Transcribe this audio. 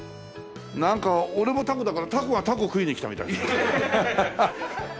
なんか俺もたこだからたこがたこ食いに来たみたい。